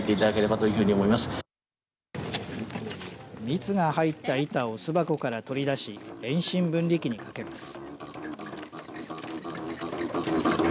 蜜が入った板を巣箱から取り出し遠心分離機にかけます。